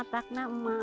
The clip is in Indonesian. tak nak mak